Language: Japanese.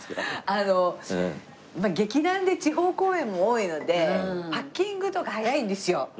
あの劇団で地方公演も多いのでパッキングとか速いんですよ。